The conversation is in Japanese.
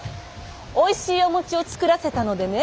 おいしいお餅を作らせたのでね